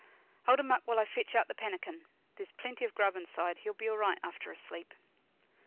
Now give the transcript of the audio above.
'Hold him up while I fetch out the pannikin. There's plenty of grub inside. He'll be all right after a sleep.'